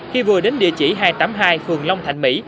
khi vừa đến địa chỉ hai trăm tám mươi hai phường long thạnh mỹ